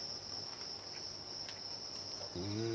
うん。